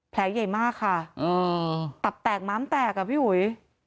แผลใหญ่มากค่ะตับแตกม้ามแตกอ่ะพี่อุ๋ย